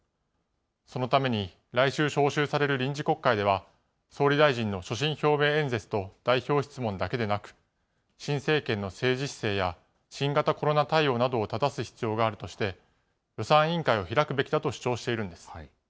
そのために来週召集される臨時国会では、総理大臣の所信表明演説と代表質問だけでなく、新政権の政治姿勢や、新型コロナ対応などをただす必要があるとして、予算委員会を開くべきだと主張しているんです。